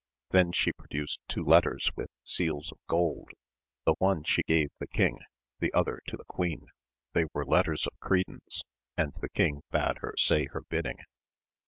Then she produced two letters with seals of gold ; the one she gave the king, the other to the queen ; they were letters of credence, and the king bade her say her bidding.